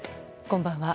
こんばんは。